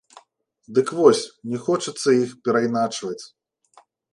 Дык вось, не хочацца іх перайначваць.